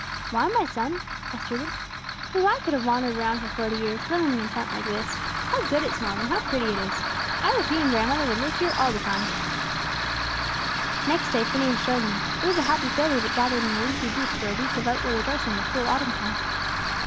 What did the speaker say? "Why, my son?" asked Reuben. "So's I could have wandered around for forty years, living in a tent like this. How good it smells, and how pretty it is! I wish you and grandmother would live here all the time!" The next day Phineas joined them. It was a happy family that gathered in the leafy booth for a week of out door rejoicing in the cool autumn time.